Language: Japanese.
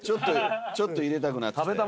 ちょっと入れたくなってきた。